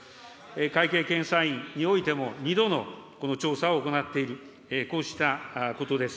会計検査院においても２度のこの調査を行っている、こうしたことです。